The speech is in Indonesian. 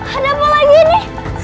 ada apa lagi ini